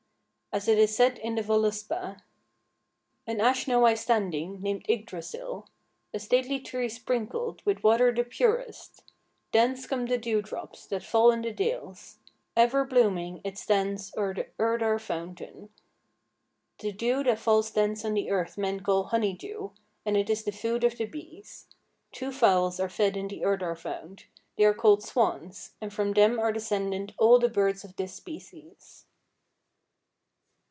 As it is said in the Voluspa "'An Ash know I standing, Named Yggdrasill, A stately tree sprinkled With water the purest; Thence come the dewdrops That fall in the dales; Ever blooming, it stands O'er the Urdar fountain."' "The dew that falls thence on the earth men call honey dew, and it is the food of the bees. Two fowls are fed in the Urdar fount; they are called swans, and from them are descended all the birds of this species."